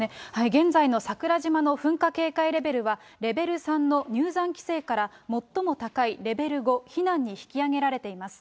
現在の桜島の噴火警戒レベルは、レベル３の入山規制から最も高いレベル５、避難に引き上げられています。